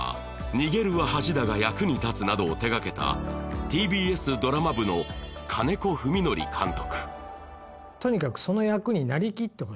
「逃げるは恥だが役に立つ」などを手がけたＴＢＳドラマ部の金子文紀監督